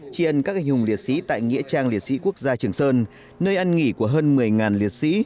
tri ân các anh hùng liệt sĩ tại nghĩa trang liệt sĩ quốc gia trường sơn nơi ăn nghỉ của hơn một mươi liệt sĩ